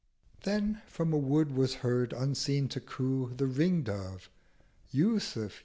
Then from a Wood was heard unseen to coo The Ring dove—'Yúsuf!